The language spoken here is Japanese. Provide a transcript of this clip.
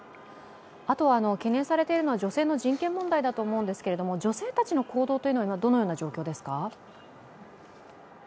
あと、懸念されているのが女性の人権問題だと思うんですが女性たちの行動は今、どのような状況ですか？